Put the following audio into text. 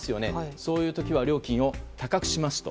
そういう時は料金を高くしますと。